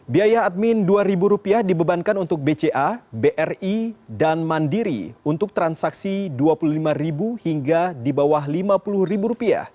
biaya admin rp dua dibebankan untuk bca bri dan mandiri untuk transaksi rp dua puluh lima hingga di bawah rp lima puluh